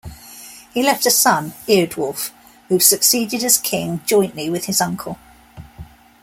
He left a son, Eardwulf, who succeeded as king jointly with his uncle.